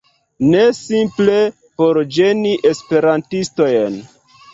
Ne, simple por ĝeni esperantistojn